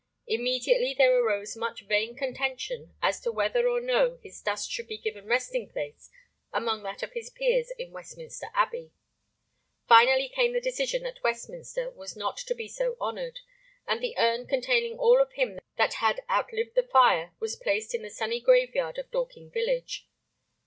Immediately there arose much vain contention as to whether or no his dust should be given resting place among that of his peers in Westminster Abbey. Finally came the decision that Westminster was not to be so honored; and the urn containing all of him that had outlived the fire was placed in the sunny graveyard of Dorking village.